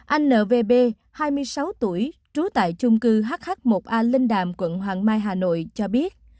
anh n v b hai mươi sáu tuổi trú tại chung cư hh một a linh đàm quận hoàng mai hà nội cho biết